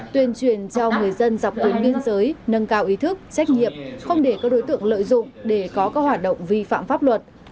tuyên truyền cho người dân dọc tuyến biên giới nâng cao ý thức trách nhiệm không để các đối tượng lợi dụng để có các hoạt động vi phạm pháp luật